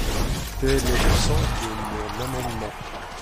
Tel est le sens de mon amendement.